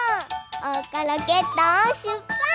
おうかロケットしゅっぱつ！